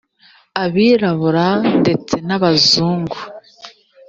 abirabura ndetse n abazungu